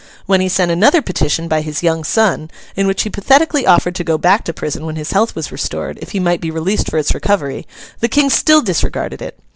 When he sent another petition by his young son, in which he pathetically offered to go back to prison when his health was restored, if he might be released for its recovery, the King still disregarded it.